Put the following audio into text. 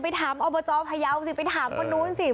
ถามอบจพยาวสิไปถามคนนู้นสิ